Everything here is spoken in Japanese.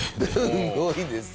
すごいですよね。